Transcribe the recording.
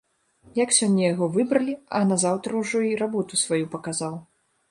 Як сёння яго выбралі, а назаўтра ўжо й работу сваю паказаў.